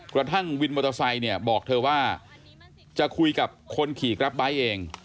กระทั่งวินมอเตอร์ไซค์เนี่ยบอกเธอว่าจะคุยกับคนขี่กราฟไบท์เอง